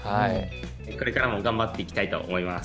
これからも頑張っていきたいと思います。